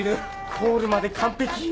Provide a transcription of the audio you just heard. コールまで完ぺき。